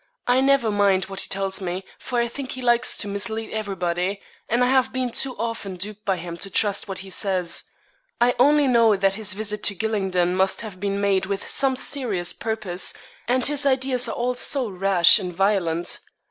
'I never mind what he tells me, for I think he likes to mislead everybody; and I have been two often duped by him to trust what he says. I only know that his visit to Gylingden must have been made with some serious purpose, and his ideas are all so rash and violent.'